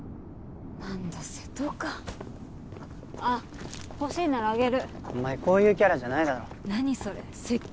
何だ瀬戸かあっ欲しいならあげるお前こういうキャラじゃないだろ何それ説教？